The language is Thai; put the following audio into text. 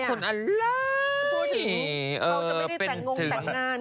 คุณเขาจะไม่ได้แต่งงแต่งงาน